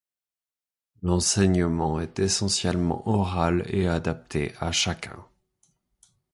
L'enseignement est essentiellement oral et adapté à chacun.